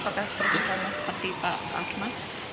apakah seperti sama seperti pak asman